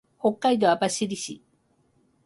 北海道網走市